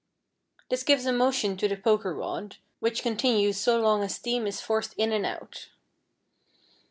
This gives a motion to the poker rod, which continues so long as steam is forced in and out.